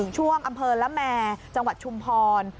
ช่วงอำเภอละแมจังหวัดชุมพร